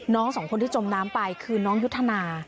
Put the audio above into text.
สองคนที่จมน้ำไปคือน้องยุทธนา